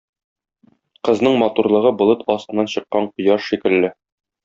Кызның матурлыгы болыт астыннан чыккан кояш шикелле.